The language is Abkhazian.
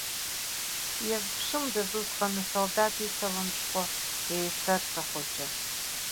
Иазԥшымдаз усҟан асолдаҭ исалам шәҟәы еицарса хәыҷы.